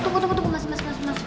tunggu tunggu mas mas mas